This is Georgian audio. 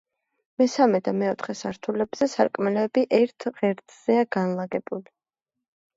მესამე და მეოთხე სართულებზე სარკმელები ერთ ღერძზეა განლაგებული.